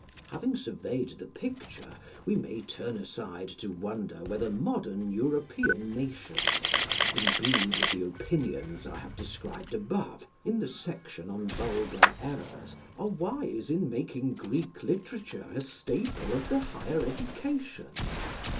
Having surveyed the picture, we may turn aside to wonder whether modern European nations, imbued with the opinions I have described above in the section on Vulgar Errors, are wise in making Greek literature a staple of the higher education.